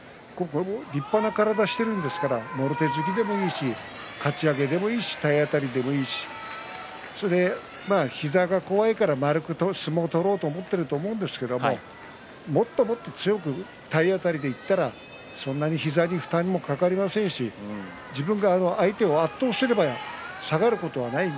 立派な体をしていますからもろ手突きいってもいいしかち上げてもいいし体当たりでもいいし膝が怖いからまるく相撲を取ろうと思っているんだと思いますけどもっともっと体当たりでいったらそんなに膝に負担もかかりませんし相手を圧倒すれば下がることはない。